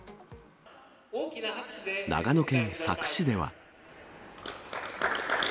長野県佐久市では。